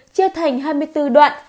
chia thành hai mươi bốn đoạn